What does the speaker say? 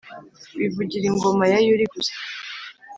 wivugira ingoma ya yuli gusa